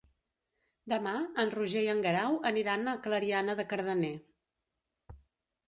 Demà en Roger i en Guerau aniran a Clariana de Cardener.